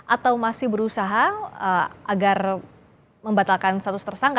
atau masih berusaha agar membatalkan status tersangka